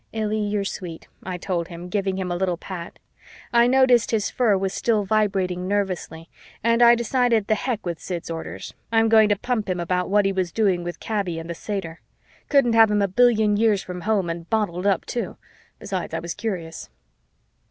"Illy, you're sweet," I told him, giving him a little pat. I noticed his fur was still vibrating nervously and I decided the heck with Sid's orders, I'm going to pump him about what he was doing with Kaby and the satyr. Couldn't have him a billion years from home and bottled up, too. Besides, I was curious.